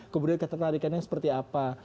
kebudayaan ketertarikannya seperti apa